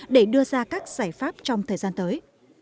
để đưa ra các giải pháp trong thời gian tới